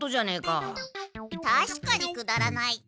たしかにくだらない。